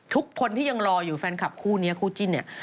ทุกคนที่ยังรออยู่แฟนคลับคู่นี้คู่จิ้นเนี่ย